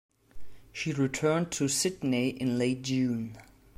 She returned to Sydney in late June.